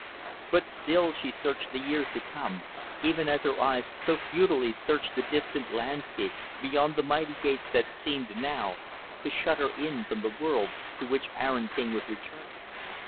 But still she searched the years to come even as her eyes so futilely searched the distant landscape beyond the mighty gates that seemed, now, to shut her in from that world to which Aaron King was returning.